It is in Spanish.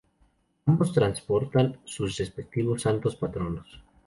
Ambos transportan sus respectivos santos patronos.